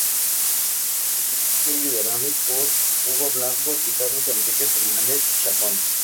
El grupo fue liderado por Hugo Blanco y Carlos Enrique Fernández Chacón.